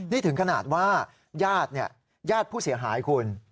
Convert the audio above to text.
นี่ถึงขนาดว่าญาติญาติผู้เสียหายคุณ